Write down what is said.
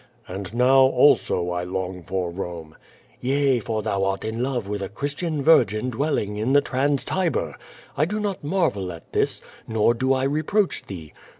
"And now, also, I long for Rome." "Yea, for thou art in love with a Christian Virgin dwelling in the Trans Tiber. I do not marvel at this, nor do I re proach thee.